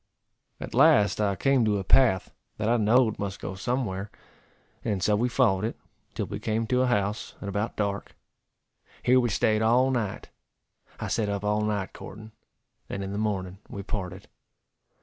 At last I came to a path, that I know'd must go somewhere, and so we followed it, till we came to a house, at about dark. Here we staid all night. I set up all night courting; and in the morning we parted.